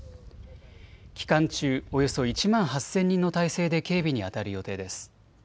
期間中およそ１万８０００人の態勢で警備にあたる予定です。